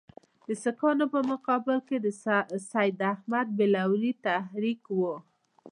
د سیکهانو په مقابل کې د سید احمدبرېلوي تحریک وو.